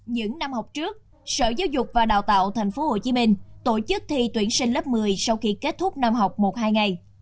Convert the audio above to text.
những năm học trước sở giáo dục và đào tạo tp hcm tổ chức thi tuyển sinh lớp một mươi sau khi kết thúc năm học một hai ngày